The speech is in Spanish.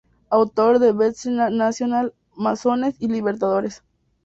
Autor del bestseller nacional "Masones y Libertadores".